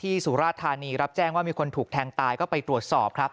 สุราธานีรับแจ้งว่ามีคนถูกแทงตายก็ไปตรวจสอบครับ